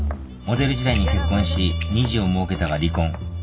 モデル時代に結婚し２児をもうけたが離婚。